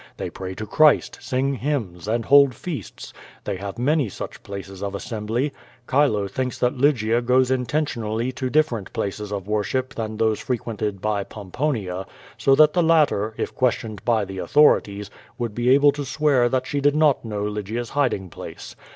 They pray to Christ, sing hymns, and hold feasts. They have many such places of assembly. Chilo thinks that Lygia goes intentionally to different places of worship than those frequented by Pomponia, so that the latter, if questioned by the authorities, would be able to swear that she did not know Lygia^s hiding place.